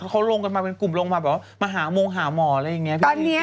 เขาลงกันมาเป็นกลุ่มมาหาโมงหาหมออะไรอย่างนี้